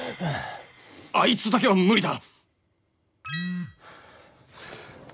あいつだけは無理だ！